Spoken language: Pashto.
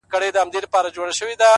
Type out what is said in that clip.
هره تجربه د ژوند نوی باب دی،